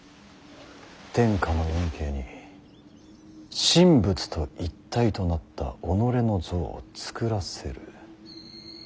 天下の運慶に神仏と一体となった己の像を作らせる。